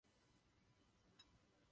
Tento výběžek má zvenku samostatný vchod.